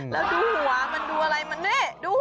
แล้วดูหัวมันดูอะไรดูหัว